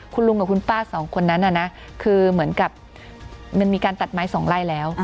คุณลุงกับคุณป้าสองคนนั้นน่ะนะคือเหมือนกับมันมีการตัดไม้สองไล่แล้ว